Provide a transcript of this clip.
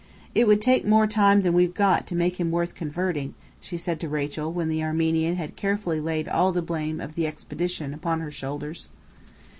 "It would take more time than we've got to make him worth converting," she said to Rachel when the Armenian had carefully laid all the blame of the expedition upon her shoulders.